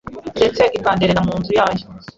ndetse ikanderera mu nzu yayo